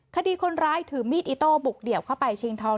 คดีคนร้ายถือมีดอิโต้บุกเดี่ยวเข้าไปชิงทอง